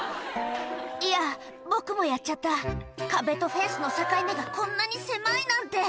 「いや僕もやっちゃった」「壁とフェンスの境目がこんなに狭いなんて」